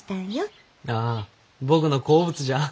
ああ僕の好物じゃ。